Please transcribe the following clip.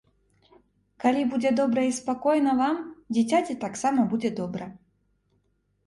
Калі будзе добра і спакойна вам, дзіцяці таксама будзе добра.